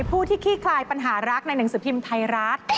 ผู้ที่ขี้คลายปัญหารักในหนังสือพิมพ์ไทยรัฐ